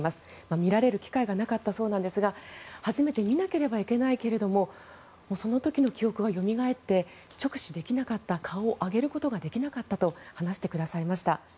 見られる機会がなかったそうなんですが初めて見なければいけないけれどその時の記憶がよみがえって直視できなかった顔を上げることができなかったと話してくださいました。